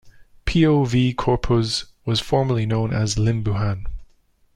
Pio V. Corpuz was formerly known as Limbuhan.